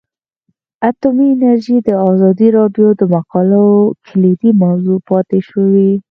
اټومي انرژي د ازادي راډیو د مقالو کلیدي موضوع پاتې شوی.